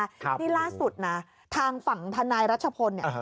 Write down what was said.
นี่ล่าสุดนะทางฝั่งทนายรัชพลเนี่ย